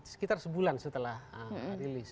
sekitar sebulan setelah rilis